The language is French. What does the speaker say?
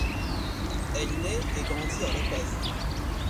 Elle naît et grandit à La Paz.